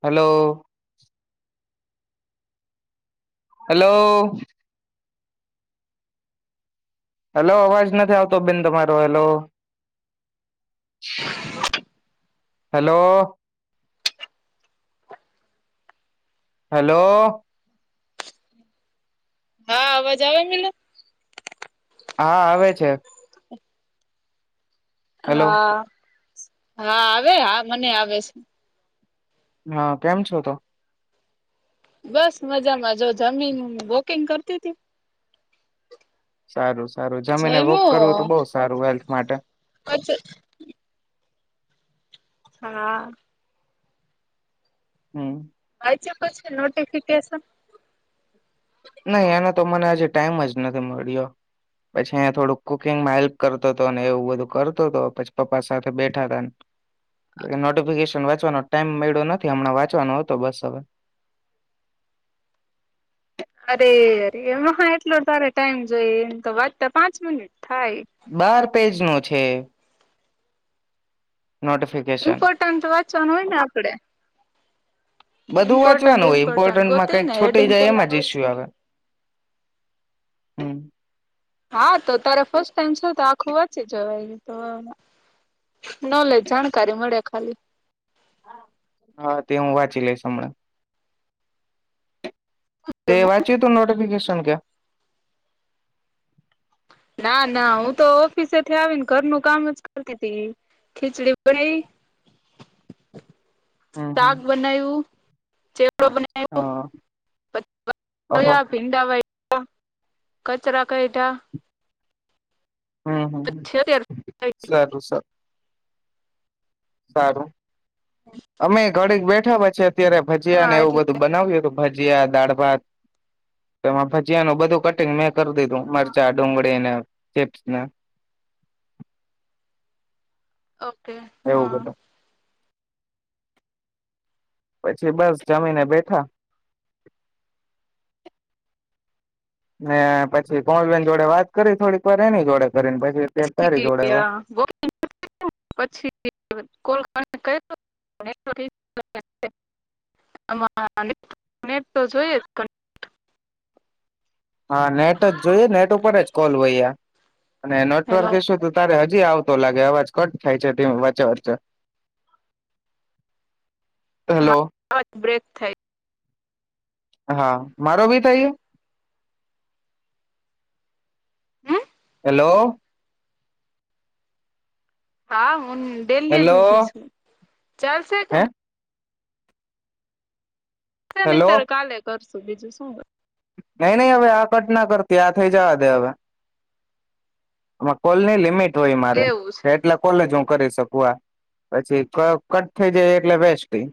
હાલો hello hello અવાજ નથી આવતો બેન તમારો હાલો હેલો હેલો હા અવાજ આવે હા આવે છે. હેલો હા હા આવે હા મને આવે છે. હા કેમ છો તો. બસ મજામાં જો જમીન વોકિંગ કરતી હતી. સારું. સારું જમીને વોક કરવું તો જયમું બહ સારું હેલ્થ માટે. પછી હા. હમ્મ. છ નોટિફિકેશન. નહી એનો તો મને આજ ટાઈમ જ નથી મળ્યો પછી અં થોડું કુકિંગમાં હેલ્પ કરતો હતો એવું બધું કરતો હતો પછી પપ્પા સાથે બેઠા હતા એટલે નોટિફિકેશન વાંચવાનો ટાઈમ મળ્યો નથી હમણાં વાંચવાનો હતો બસ હવે. અરે અરેા એટલો તારે ટાઈમ જોઈ એમ તો વાતા પાંચ મિનિટ. થાય બાર પેજ નો. છે. નોટિફિકેશન ઇમ્પોર્ટન્ટ વાંચવાનું હોય ને આપડે. બધું ઇમ્પોર્ટન્ટ વાંચવાનું હોય ઇમ્પોર્ટન્ટ ઇમ્પોર્ટન્ટમાં ગોતી કઈક ને છોટી હેડિંગ જાય પેલા એમાં વાંચ જઈશું હ. હા તો તારે ફસ્ટ ટાઈમ છે તો આખું વાંચી જવા તો નોલેજ જાણકારી મળે ખાલી. હા તે હું વાંચી લઈશ હમણાં. તે વાંચી તું નોટિફિકેશન. [inaudible] ના ના હું તો ઓફિસેથી આવીને ઘરનું કામ જ કરતી હતી ખીચડી બનાઈ. હમ હમ સાક બનાું. હા ઓહો [inaudible] કચરા કઢા. હમ હમ સારું સારું [inaudible] સારું. અમે ઘરે બેઠ. ઠબ છે. અત્યારે હા ભજીયાને એવું એટલે બધું બનાવ્યું હતુ. ભજીયા દાળભાત એમાં ભજીયાનુ બધું કટિંગ મેજ કરી દીધું મરચા ડુંગળીને ચીપ્સને ઓકે હા પછી બસ જમીને બેઠા ને પછી કોમલબેન જોડે વાત કરી થોડીક વાર એની જોડે કરીને પછી અત્યારે તારી જોડે [inaudible] હવે તો જોઈએ જ હા નેટ જ જોઈ નેટ ઉપર જ કોલ હોય આ અને નેટવર્ક હેલો એ શું તું તારે હજી આવ તો લાગે અવાજ કટ થાય છે તે વચે વચે હાટ બ્રેક થાય હા મારો બી થયુ હમ હલો હા હુમ ડેલ્લી જ હુ હેલો ફી છું ચાલશે હે તને છે ને હેલો ત્યારે કાલે કર સુ બીજું શું હોય ત્યાં થઈ જવા દે અવે આમાં કોલની લિમિટ હય મારે છે. એટલે કોલેજ હું કરી શક વા પછી ક કટ થઈ જાય એટલે વેસ્ટીગ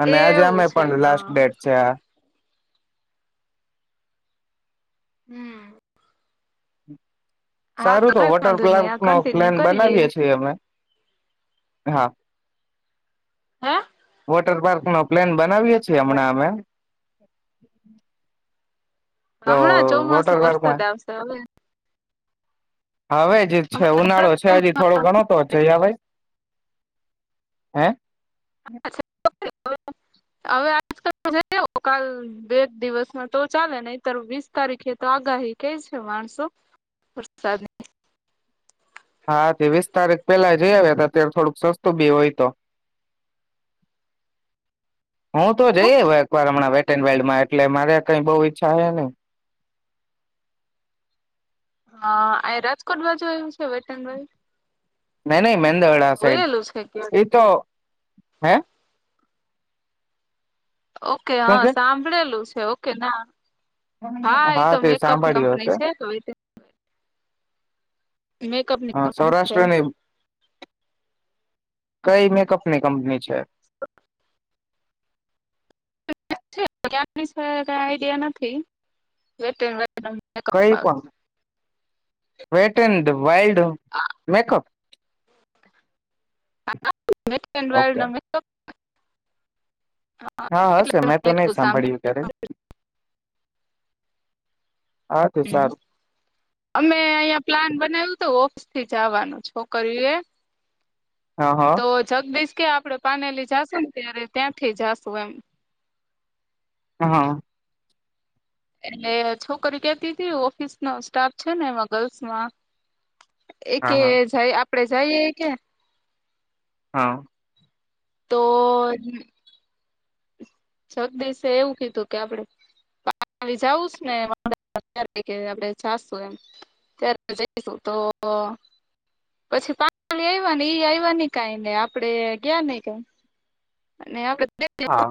અને આજે એવું અમે છે પણ લાસ્ટ હા. ડેટ છે આ હમ હા સારું તો કઈ વોટર વાંધો નહી આ પ્લારકનો કન્ટિન્યુ પ્લાન કરીએ બનાવીએ છીએ અમે હા હે વોટરપાર્ક નો પ્લેન બનાવીએ છે હમણાં અમે તો હમણાં વોટર ચોમાસું વરસાદ પાર્કમાં આવશે હવે હવે જ છે ઉનાળો છે હજી થોડો ગણો તો જય આવાય હે હવે આજકાલ જે આવો બે દિવસમાં તો ચાલે નહિતર વીસ તારીખે તો આગાહી કેય છે માણસો વરસાદની હા તે વીસ તારીખ પેલા જઈ આવ્યા હતા અત્યારે થોડુંક સસ્તું બી હોય તો હું તો જઈ આયવો એકવાર હમણાં વે વેર્લ્ડમાં એટલે મારે કઈ બઉુ ઈચ્છા હોય ને હા એ રાજકોટ બાજુ આયવું છે કેતનભાઈ નય નય મેંદરડા સાઈડ ક્યાંક એ તો હે ઓકે શું હા કે સાંભળેલું. ઓકેના. હા એ તો તે મેકઅપ સાંભળ્યું કંપની હશે છે તો, મેકઅપની કંપની છે. સૌરાષ્ટ્રની કઈ મેકઅપ ની કંપની છે? ની કઈ આઈડિયા નથી, વ કઈ પણ, વેટ એન્ડ વાઇલ્ડ આવે મેકઅપ. ડર્ડ ઓકે [unintelligible] હા હશે મેં તો નહી હભ સાંભળ્યું ક્યારે હા તે હ સારું અમે અહંયા પ્લાન બનાવ્યું હતું [unintelligible] થી જવાનું છોકરી એ હા હા તો જગ બેસ કે આપડે પાનેલી જાશુ ને ત્યારે ત્યાંથી જાશુ એમ. હા. એટલે છોકરી કેતી હતી ઓફિસનો સ્ટાફ છે ને એમાં ગલ્સમાં. એ કે હા જ આપડે જઈએ કે? હા. તો, જગદીશ એવું કીધું કે આપડણે પાલી જઉું ને કે આપણે જાશું એમ, ત્યારે જઈશું તો પછી પાલી આવ એઈ આવ ન કઈ ને આપડે ગયા નહ અને આપડે હા.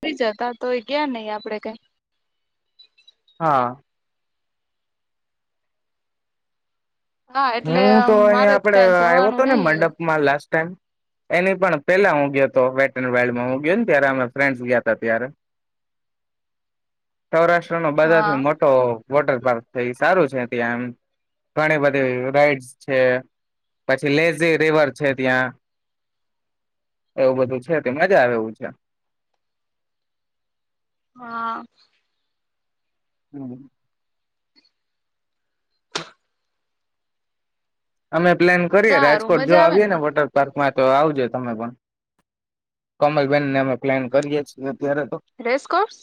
થઈ જતા તો એ ગયા નહી આપડે કઈ. હા. હા એટલે હું તો અહીયા મારે જ આપડે કઈ આવ્યો હતો જવાનું ને નહી મંડપમાં લાસ્ટ. એની પણ પેલા હું ગયો હતો વેટ એન્ડ વાઇલ્ડ હું ગયો ને ત્યારે અમે ફ્રેન્ડસ ગયા ત ત્યારે. સૌરાષ્ટ્ર નો બધા થી હા મોટો વોટર પાર્ક છે એ સારું છે ત્યાં એમ, ઘણી બધી રાઇડ્સ છે, પછી લેઝ રિવર છે ત્યાં, એવું બધું છે તે મજા આવે છે. હા. હમ. અમે પ્લાન કરીએ સારું રાજકોટ જો મજા આવે આવીએ ને વોટર પાર્ક માં તો આવજો તમે પણ, કમલબેનને અમે પ્લાન કરીએ છીએ. અત્યારે તો. ક્રેશ કોર્સ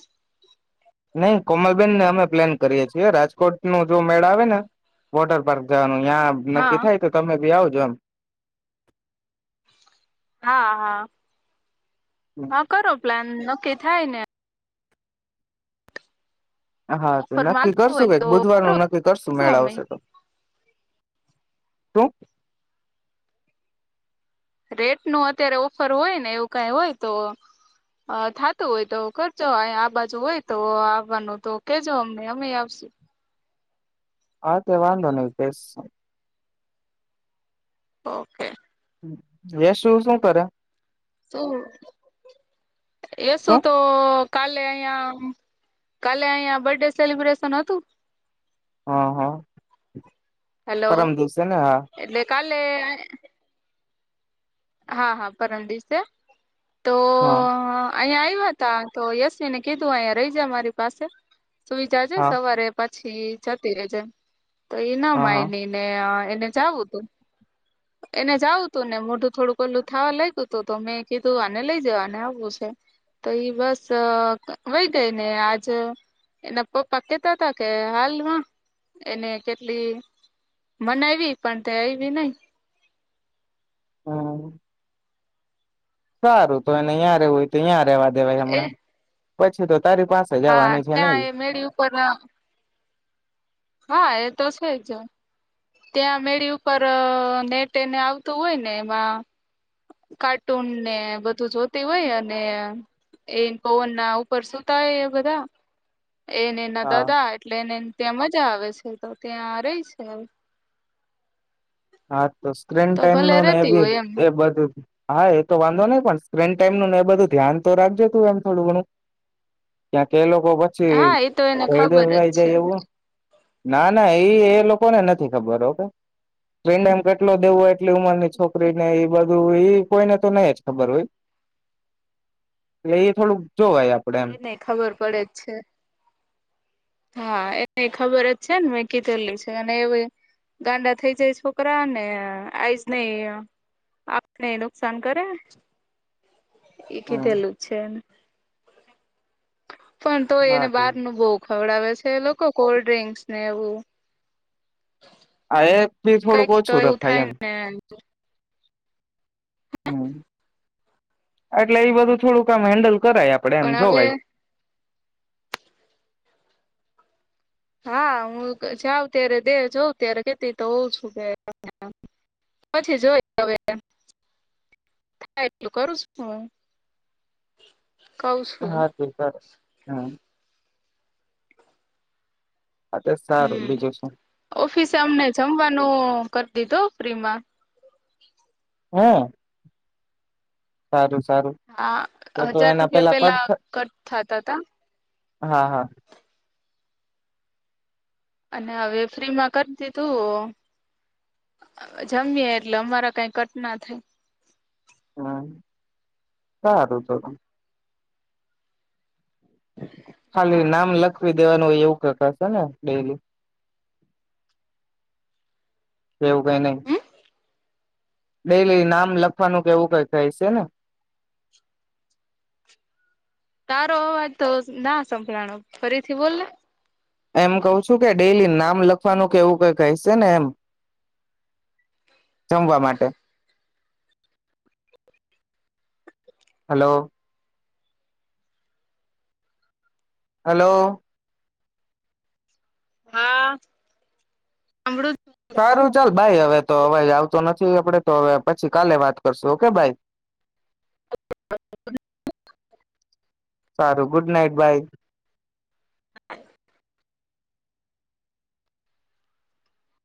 નહી કોમલબેન ને અમે પ્લાન કરીએ છીએ રાજકોટ ન જો મેળા આવે ને, વોટર પાર્ક જવાનું ત્યાં કે હા થાય તો તમે જઈ જમ. હા હા. હા કરો પ્લાન. નકી થાય ને હા તો ઓફર નક્કી માલતું હોય કરશું કઈક તો બુધવાર નુ કરો નક્કી કરશું શું મેળ અમે આવશે તો તો રેટ નું અત્યારે ઓફર હોય ને એવું કઈ હોય તો થાતું હોય તો કરજો આ બાજુ હોય તો આવવાનું તો કેજો અમને અમે આવશું. હા તે વાંધો નહી બેસ્ટ ઓકે યશુ શું શું કરે. શું [inaudible] એ શું તો કાલે અહીંયા કાલે અહિયા બર્થડે સેલિબ્રેશન હતું. હા-હા હેલો પરમ દિવસેને હા એટલે કાલે હા-હા પરમ દિવસે તો હા અહિયાં આવ્યાવાતા તો યશવી ને કીધું અહિયા રહી જા મારી પાસે. સુવિધા છે હા સવારે પા છી જતી રેજે. તો એઈના હા હા માયની ને અ એને જાવું તું. એને જાવું તું ને મોઢું થોડું ઓલું થવા લાગ્યું હતું તો મેં કીધું આને લઈ જવાને આવવું છે તો ઈ બસ વય ગઈ ને આજ એના પપ્પા કેતા હતા કે હાલમાં એને કેટલી મનાવીવી પણ તે આવીવી નઈ. હા સારું તો એને અહીંયા રેવુ હોય તો અહીંયા. રેવા દેવાય એ હમણાં. પછી તો તારી પાસે હા જવાની છે નઈ ત્યાં એ મેળી ઉપર હા એ તો છે જ ત્યાં મેળી ઉપર નેટ એને આવતું હોય ને એમાં કાર્ટૂન ને બધું જોતી હોય અને એ પવન ના ઉપર સુતા હોય એ બધા એન એના હા દાદા એટલે એને તેમજ જા આવે છે તો ત્યાં રહી છે. હા તો સ્ક્રીન તો ટાઈમ ભલે નો ને એ રેતી બે હોય એમ એ બધું. હા એ તો વાંધો નહી પણ સ્ક્રીન ટાઈમ નુને એ બધું ધ્યાન તો રાખજો તું એમ થોડું ઘણું ક્યાં કે એ લોકો તો હા એ તો એને પછી થઈ ખબર જ છે જાય એવું હ ના-ના એ એ લોકોને નથી ખબર ઓકે. પ્રિનેમ કેટલો દેવું હોય. કેટલી ઉંમર ની છોકરી ને એ બધુ. એ કોઈને તો નહી જ ખબર હોય [inaudible] એ થોડુંક જોવાય આપડે એમ એ નેય ખબર પડે જ છે. હા. એને ખબર જ છે ને મેં કીધેલી છે. અને એ ગાંડા થઈ જાય છોકરા ને અ આઈસ નેય આંખને નુકસાન કરે. એ હમ કીધેલું છે. પણ, તોય હા એને તો બહાર નું બોવ. ખવડાવે છે એ લોકો કોલ્ડ ડ્રિંક્સ ને એવું. હા. એ બી થોડુંક કઈક તો ઓછું એવું રખાય થાય એમ. ને હમ. એટલે એ બધું થોડુંક આામ હેન્ડલ કરાય આપડે, એમ પણ જો હવે ભાઈ હા. હું જાઉં ત્યારે દે જોઉં ત્યારે કેતી તો હોઉ છું કે પછી જોય હવે, [unintelligible] થાયએટલું કરું કઉ છું હા. ક [unintelligible] હા હા તો સારું હમ્મ બીજું શું ઓફિસે અમને જમવાનું કરી દીધું. ફ્રિ મા હમ્મ સારું છે. હા. હજાર રૂપિયા પેલા કટ થતા તા. હા હા અને હવે ફ્રીમાં કર દીધુ અ જમીએ એટલે અમારા કઈ કટ ના થાય. હમ્મ સારું તો તો ખાલી હા. નામ લખવી દ દેવાનું હોય એવું કેતા હશે ને ડેઇલી કે એવું કઈ નહી. ડેઇલી નામ લખવાનું કેવું કઈ થાય છે ને. તારો અવાજ તો ના સંભળાણો ફરીથી બોલ ને. એમ કહું છું કે ડેઇલી નામ લખવાનું એવું કઈ કહેશે ને એમ. જમવા માટે. હલો.. હલો.. હા સાંભળું સારું ચાલ. બાઈ હવે. તો અવાજ આવતો નથી, આપડે તો હવે પછી કાલે વાત કરશું, ઓકે બાઈ. [inaudible] સારું. ગુડ નાઈટ, બાઇ.